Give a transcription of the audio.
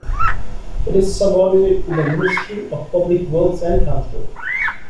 It is subordinate to the Ministry of Public Works and Transport.